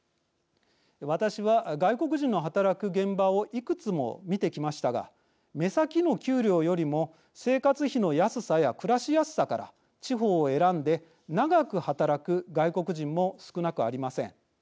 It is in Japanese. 私は外国人の働く現場をいくつも見てきましたが目先の給料よりも生活費の安さや暮らしやすさから地方を選んで、長く働く外国人も少なくありません。